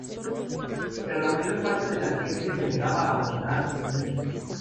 Pero la mayor parte de la gente se negaba a abandonar St.